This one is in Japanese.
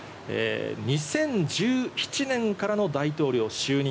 ２０１７年からの大統領就任。